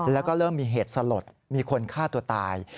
แล้วก็เริ่มมีเหตุสลดมีคนฆ่าตัวตาย